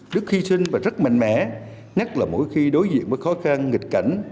đức hy sinh và rất mạnh mẽ nhất là mỗi khi đối diện với khó khăn nghịch cảnh